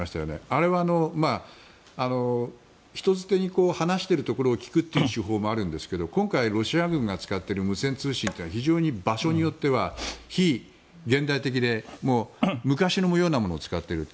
あれは人伝に話しているところを聞くという手法もあるんですけど今回、ロシア軍が使っている無線通信というのは非常に場所によっては非現代的で昔のようなものを使っている。